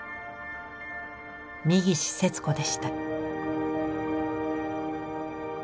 三岸節子でした。